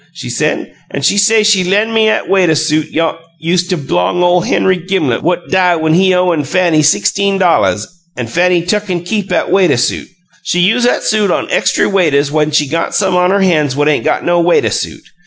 she say, an' she say she len' me 'at waituh suit yoosta b'long ole Henry Gimlet what die' when he owin' Fanny sixteen dolluhs an' Fanny tuck an' keep 'at waituh suit. She use 'at suit on extry waituhs when she got some on her hands what 'ain't got no waituh suit.